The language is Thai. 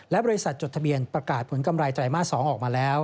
และบริษัทจดทะเบียนประกาศผลกำไรไตรมาส๒ออกมาแล้ว